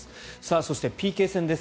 そしてＰＫ戦です。